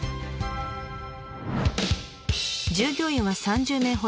従業員は３０名ほど。